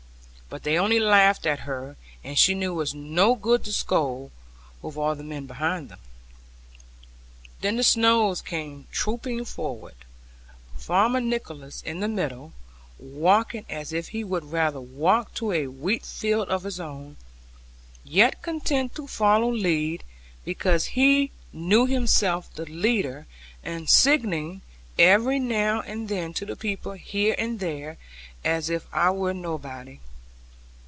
But they only laughed at her; and she knew it was no good to scold, with all the men behind them. Then the Snowes came trooping forward; Farmer Nicholas in the middle, walking as if he would rather walk to a wheatfield of his own, yet content to follow lead, because he knew himself the leader; and signing every now and then to the people here and there, as if I were nobody.